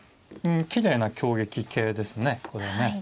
きれいな挟撃形ですねこれね。